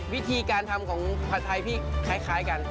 วิธีการทำของผัดไทยพี่คล้ายกัน